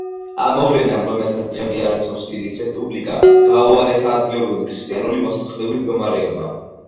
ამ მოვლენამ, რომელსაც დღემდე არ ცნობს სირიის რესპუბლიკა, გააუარესა ადგილობრივი ქრისტიანული მოსახლეობის მდგომარეობა.